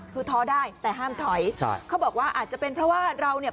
คือท้อได้แต่ห้ามถอยใช่เขาบอกว่าอาจจะเป็นเพราะว่าเราเนี่ย